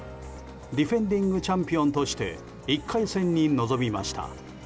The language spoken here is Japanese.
ディフェンディングチャンピオンとして１回戦に臨みました。